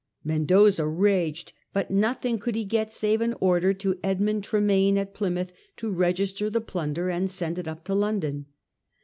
Mendoza raged, but nothing could he get save an order to Edmimd Tremayne at Plymouth to register the plunder and send it up to London.